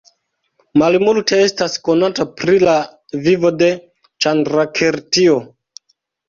Malmulte estas konata pri la vivo de Ĉandrakirtio.